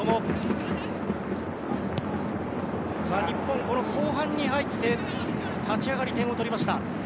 日本、後半に入って立ち上がりに点を取りました。